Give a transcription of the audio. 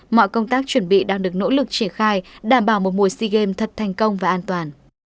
mọi công tác chuẩn bị đang được nỗ lực triển khai đảm bảo một mùa sea games thật thành công và an toàn